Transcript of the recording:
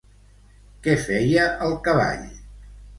Què feia el cavall?